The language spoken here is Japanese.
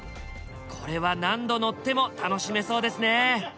これは何度乗っても楽しめそうですね。